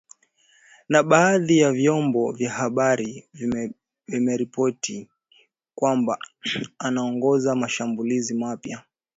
Na baadhi ya vyombo vya habari vimeripoti kwamba anaongoza mashambulizi mapya